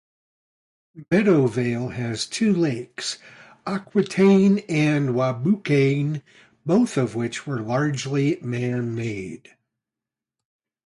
Meadowvale has two lakes, Aquitaine and Wabukayne, both of which were largely man-made.